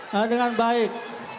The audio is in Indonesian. nah dengan baik